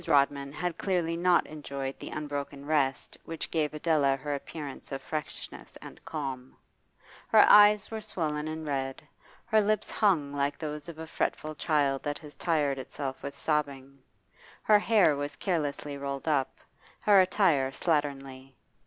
Rodman had clearly not enjoyed the unbroken rest which gave Adela her appearance of freshness and calm; her eyes were swollen and red, her lips hung like those of a fretful child that has tired itself with sobbing, her hair was carelessly rolled up, her attire slatternly.